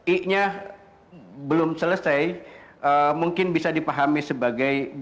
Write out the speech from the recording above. i nya belum selesai mungkin bisa dipahami sebagai bahwa kita dalam proses menutupi